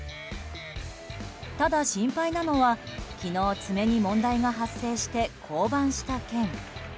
ただ、心配なのは昨日爪に問題が発生して降板した件。